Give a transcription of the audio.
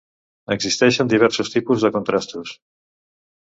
Existeixen diversos tipus de contrastos.